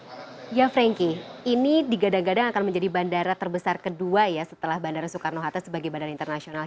ya franky ini digadang gadang akan menjadi bandara terbesar kedua ya setelah bandara soekarno hatta sebagai bandara internasional